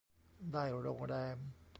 ได้โรงแรม